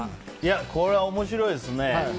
これは面白いですね。